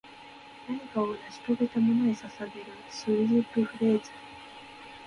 何かを成し遂げたものへ捧げるスウィープフレーズ